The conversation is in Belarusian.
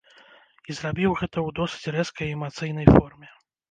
І зрабіў гэта ў досыць рэзкай і эмацыйнай форме.